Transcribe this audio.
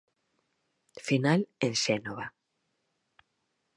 Final en Xénova.